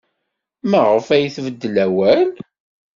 Maɣef ay tbeddel awal?